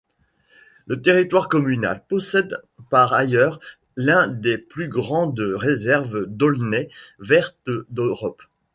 Le territoire communal possède par ailleurs l'un des plus grandes réserves d'aulnaies vertes d'Europe.